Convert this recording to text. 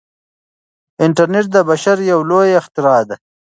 انټرنیټ د بشر یو لوی اختراع دی.